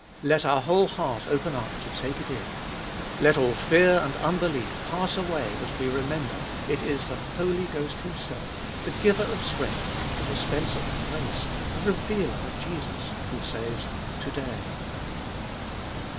Let our whole heart open up to take it in. Let all fear and unbelief pass away as we remember : it Is the Holy Ghost Himself, the giuer of strength, the dispenser of grace, the reuealer of Jesus, who says To day.